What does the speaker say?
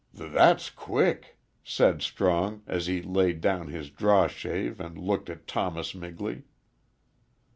"Th that's quick," said Strong, as he laid down his draw shave and looked at Thomas Migley.